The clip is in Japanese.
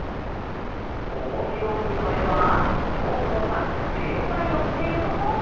ともひろくんのえはそうぞうがでんしゃにのっているところ。